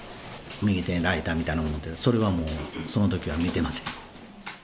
右手にライターみたいの持ってて、それはもう、そのときは見てません。